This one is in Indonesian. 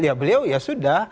ya beliau ya sudah